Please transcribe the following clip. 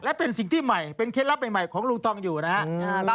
และเป็นสิ่งที่ใหม่เป็นเคล็ดลับใหม่ของลุงทองอยู่นะฮะ